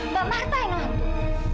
mbak marta yang ngantur